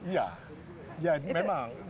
ya ya memang